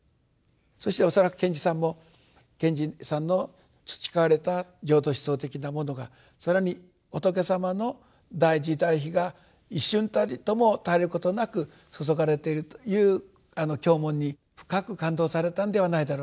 そして恐らく賢治さんも賢治さんの培われた浄土思想的なものが更に仏様の大慈大悲が一瞬たりとも絶えることなく注がれているという経文に深く感動されたんではないだろうか。